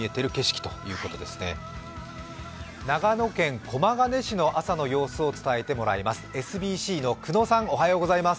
長野県駒ヶ根市の朝の様子を伝えてもらいます。